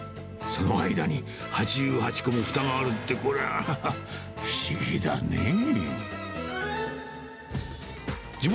その間に、８８個のふたがあるって、こりゃあ不思議だねぇ。